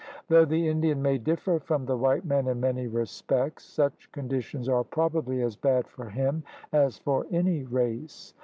Though the Indian may differ from the white man in many respects, such conditions are probably as bad for him as for any race.